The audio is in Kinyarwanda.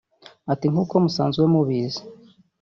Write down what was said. Ati “ Nk’uko musanzwe mubizi